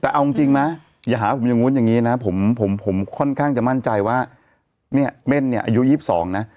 แต่เอาจริงนะอย่าหาผมอย่างนู้นอย่างนี้นะผมค่อนข้างจะมั่นใจว่าเนี่ยเม่นเนี่ยอายุ๒๒นะ